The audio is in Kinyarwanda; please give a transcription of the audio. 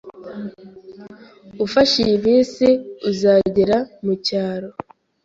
Ufashe iyi bisi, uzagera mucyaro